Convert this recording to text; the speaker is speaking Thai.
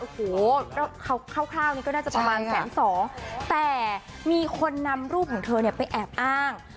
โอ้โหคร่าวนี้ก็น่าจะประมาณแสนสองแต่มีคนนำรูปของเธอเนี่ยไปแอบอ้าง